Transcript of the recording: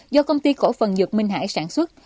do công ty cổ phần dược minh hải sản xuất